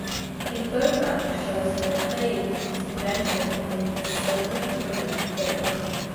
A photograph shows him playing his invention in the Silver Cornet Band.